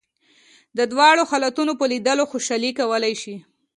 د دواړو حالتونو په لیدلو خوشالي کولای شې.